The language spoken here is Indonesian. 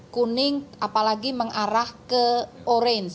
kuning apalagi mengarah ke